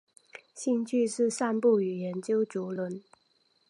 兴趣是散步与研究竹轮。